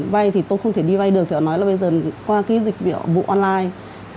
vay thì tôi không thể đi vay được thì họ nói là bây giờ qua cái dịch vụ online